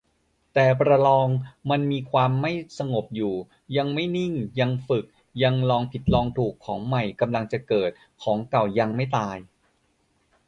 แต่ ประลอง มันมีความไม่สงบอยู่ ยังไม่นิ่ง ยังฝึก ยังลองผิดลองถูก ของใหม่กำลังจะเกิด ของเก่ายังไม่ตาย